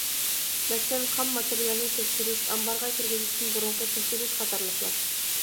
مەسىلەن خام ماتېرىيالنى تەكشۈرۈش، ئامبارغا كىرگۈزۈشتىن بۇرۇنقى تەكشۈرۈش قاتارلىقلار.